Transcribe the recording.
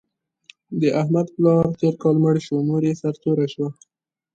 د احمد پلار تېر کال مړ شو، مور یې سرتوره شوه.